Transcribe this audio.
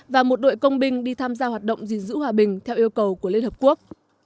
và một đội công binh đi tham gia hoạt động gìn giữ hòa bình theo yêu cầu của liên hợp quốc